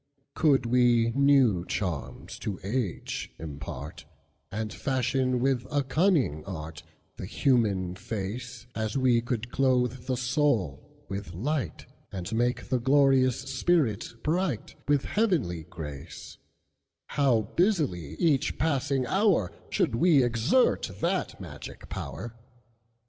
Could we new charms to age impart, And fashion with a cunning artThe human face, As we can clothe the soul with light, And make the glorious spirit brightWith heavenly grace, How busily each passing hourShould we exert that magic power!